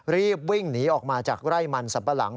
รีบวิ่งหนีออกมาจากไร่มันสัมปะหลัง